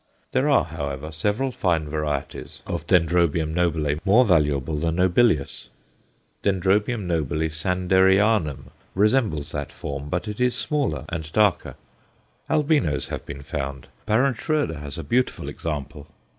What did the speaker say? There are, however, several fine varieties of D. nobile more valuable than nobilius. D. n. Sanderianum resembles that form, but it is smaller and darker. Albinos have been found; Baron Schroeder has a beautiful example.